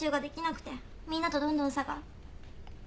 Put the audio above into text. みんなとどんどん差が。